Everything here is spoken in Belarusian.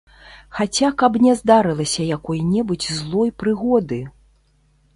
Хаця каб не здарылася якой-небудзь злой прыгоды!